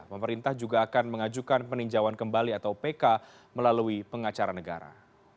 pemerintah juga akan mengajukan peninjauan kembali atau pk melalui pengacara negara